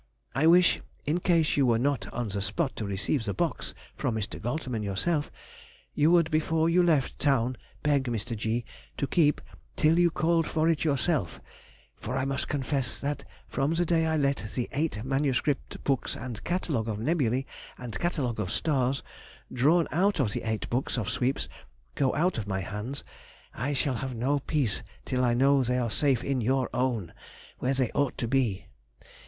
I wish, in case you were not on the spot to receive the box from Mr. Goltermann yourself, you would before you left town beg Mr. G. to keep it till you called for it yourself; for I must confess that from the day I let the eight manuscript books and catalogue of Nebulæ, and catalogue of stars drawn out of the eight books of sweeps, go out of my hands, I shall have no peace till I know they are safe in your own, where they ought to be.